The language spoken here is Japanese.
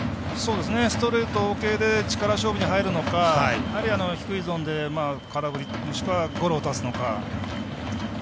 ストレート系で力勝負に入るのかあるいは低いゾーンで空振りもしくはゴロを打たすのか。